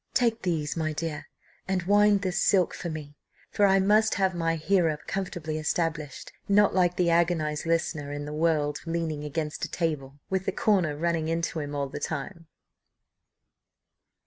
"Take these, my dear, and wind this silk for me, for I must have my hearer comfortably established, not like the agonised listener in the 'World' leaning against a table, with the corner running into him all the time."